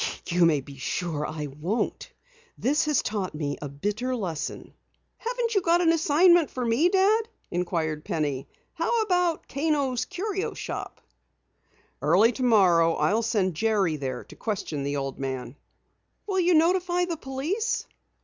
"You may be sure I won't. This has taught me a bitter lesson." "Haven't you an assignment for me, Dad?" inquired Penny. "How about Kano's Curio Shop?" "Early tomorrow I'll send Jerry there to question the old Jap." "Will you notify the police?"